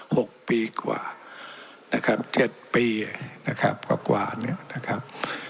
หกปีกว่านะครับเจ็ดปีนะครับกว่ากว่าเนี่ยนะครับ